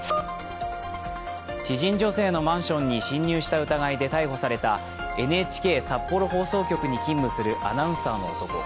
知人女性のマンションに侵入した疑いで逮捕されたＮＨＫ札幌放送局に勤務するアナウンサーの男。